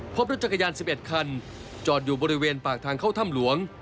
พบรถจักรยาน๑๑คันจอดอยู่บริเวณปากทางเข้าถ้ำหลวง